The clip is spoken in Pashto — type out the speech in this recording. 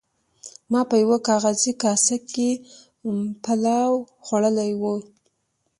ما په یوه کاغذي کاسه کې پلاو خوړلی و.